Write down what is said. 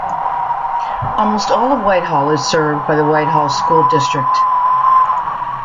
Almost all of White Hall is served by the White Hall School District.